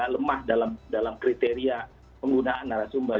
lemah dalam kriteria penggunaan narasumber